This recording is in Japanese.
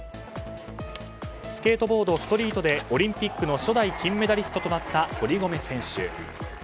スケートボード・ストリートでオリンピックの初代金メダリストとなった堀米選手。